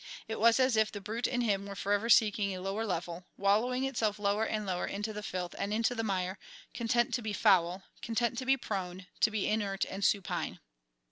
It was as if the brute in him were forever seeking a lower level, wallowing itself lower and lower into the filth and into the mire, content to be foul, content to be prone, to be inert and supine.